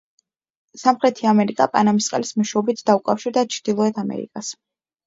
სამხრეთი ამერიკა პანამის ყელის მეშვეობით დაუკავშირდა ჩრდილოეთ ამერიკას.